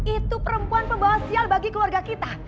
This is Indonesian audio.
itu perempuan pembawa sial bagi keluarga kita